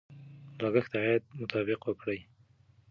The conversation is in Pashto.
لګښت د عاید مطابق وکړئ.